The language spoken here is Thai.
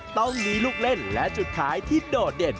ต้องมีลูกเล่นและจุดขายที่โดดเด่น